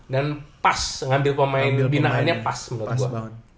dan pas ngambil pemain binaannya pas menurut gue